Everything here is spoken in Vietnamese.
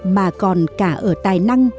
mà còn cả ở tài năng